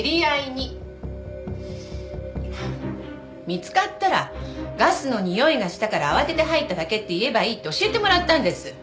見つかったらガスのにおいがしたから慌てて入っただけって言えばいいって教えてもらったんです。